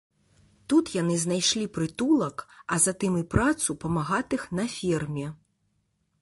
Тут яны знайшлі прытулак, а затым і працу памагатых на ферме.